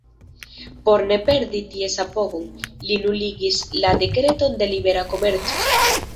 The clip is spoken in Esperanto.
Por ne perdi ties apogon, li nuligis la dekreton de libera komerco.